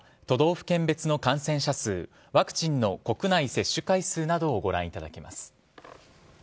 都道府県別の感染者数ワクチンの国内接種回数などをご覧いただけます。